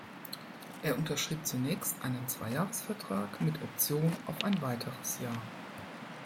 Er unterschrieb zunächst einen Zweijahresvertrag mit Option auf ein weiteres Jahr.